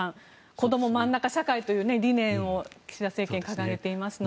こどもまんなか社会という理念を岸田政権、掲げていますので。